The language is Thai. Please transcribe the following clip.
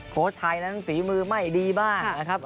โค้ชไทยนั้นฝีมือไม่ดีบ้างนะครับ